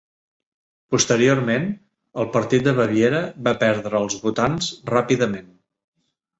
Posteriorment, el Partit de Baviera va perdre els votants ràpidament.